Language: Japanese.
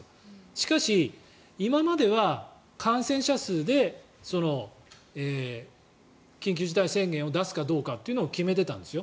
しかし、今までは感染者数で緊急事態宣言を出すかどうかというのを決めてたんですよ。